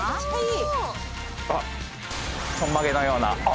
ちょんまげのような。